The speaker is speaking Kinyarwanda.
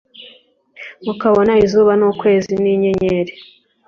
mukabona izuba n’ukwezi n’inyenyeri,